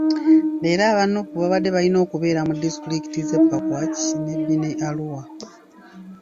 Leero aba Nuupu babadde balina kubeera mu disitulikiti z'e Pakwach, Nebbi ne Arua.